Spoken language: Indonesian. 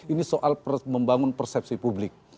ini soal membangun persepsi publik